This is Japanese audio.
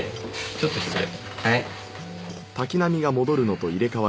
ちょっと失礼。